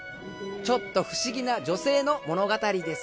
ちょっと不思議な女性の物語です。